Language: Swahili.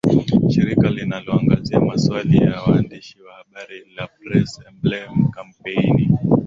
shirika linalo angazia maswali ya waandishi wa habari la press emblem kampeini